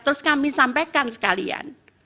terus kami sampaikan sekalian